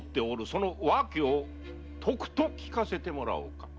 その理由をとくと聞かせてもらおうか〕